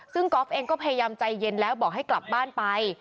ซึ่งก๊อฟเองก็พยายามใจเย็นแล้วบอกให้กลับบ้านไป